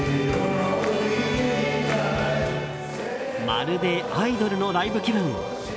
まるでアイドルのライブ気分。